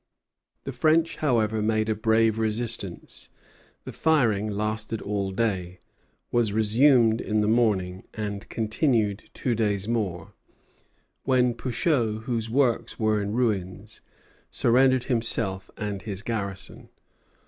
The French, however, made a brave resistance. The firing lasted all day, was resumed in the morning, and continued two days more; when Pouchot, whose works were in ruins, surrendered himself and his garrison.